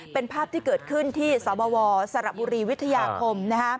เป็นภาพที่เกิดขึ้นที่สวัววาสระบุรีวิทยาคมนะครับ